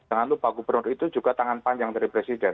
jangan lupa gubernur itu juga tangan panjang dari presiden